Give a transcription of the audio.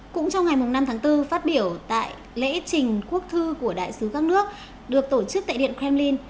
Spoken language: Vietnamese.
cũng trong ngày năm tháng bốn phát biểu tại lễ trình quốc thư của đại sứ các nước được tổ chức tại điện kremlin